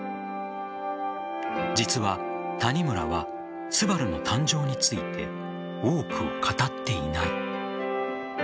実は、谷村は「昴」の誕生について多くを語っていない。